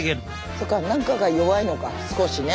そうか何かが弱いのか少しね。